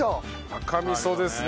赤味噌ですね。